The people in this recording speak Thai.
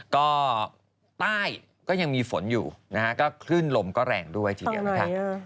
ก็ใต้ก็ยังมีฝนอยู่นะฮะก็คลื่นลมก็แรงด้วยทีเดียวนะคะ